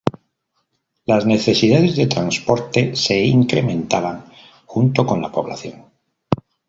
Las necesidades de transporte se incrementaban junto con la población.